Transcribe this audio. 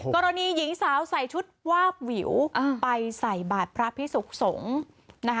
กรณีหญิงสาวใส่ชุดวาบวิวไปใส่บาทพระพิสุขสงฆ์นะคะ